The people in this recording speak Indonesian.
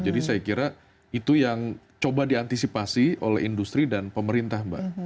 jadi saya kira itu yang coba diantisipasi oleh industri dan pemerintah mbak